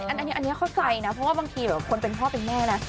อันนี้เข้าใจนะเพราะว่าบางทีแบบคนเป็นพ่อเป็นแม่นะ